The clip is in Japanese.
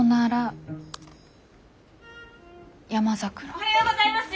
おはようございます。